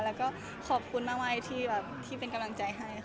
แล้วก็ขอบคุณมากที่เป็นกำลังใจให้ค่ะ